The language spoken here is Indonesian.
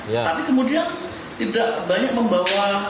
tapi kemudian tidak banyak membawa